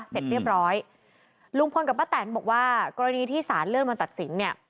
เสร็จเรียบร้อยลุงพลกับป้าแตนบอกว่ากรณีที่สารเลื่อนวันตัดสินเนี่ย